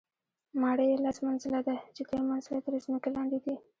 ماڼۍ یې لس منزله ده، چې درې منزله یې تر ځمکې لاندې دي.